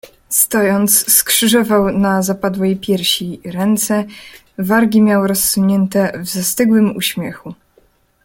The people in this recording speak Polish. "Stojąc, skrzyżował na zapadłej piersi ręce i wargi miał rozsunięte w zastygłym uśmiechu."